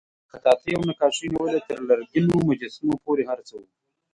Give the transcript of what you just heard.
له خطاطۍ او نقاشۍ نیولې تر لرګینو مجسمو پورې هر څه وو.